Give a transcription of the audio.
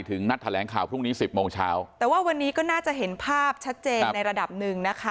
นัดแถลงข่าวพรุ่งนี้สิบโมงเช้าแต่ว่าวันนี้ก็น่าจะเห็นภาพชัดเจนในระดับหนึ่งนะคะ